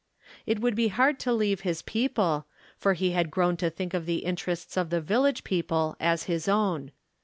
It would be hard to leave his people, for he had grown to think of the interests of the village people as his own.